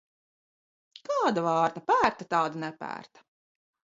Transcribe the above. Kāda vārna pērta, tāda nepērta.